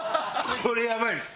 これやばいです。